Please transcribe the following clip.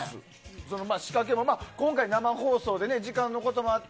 仕掛けも今回生放送で時間のこともあって